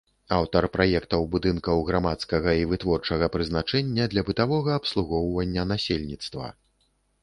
Аўтар праектаў будынкаў грамадскага і вытворчага прызначэння для бытавога абслугоўвання насельніцтва.